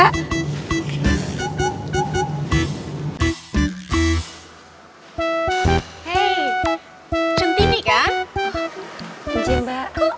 oh kejam mbak